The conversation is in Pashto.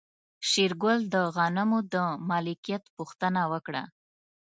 شېرګل د غنمو د مالکيت پوښتنه وکړه.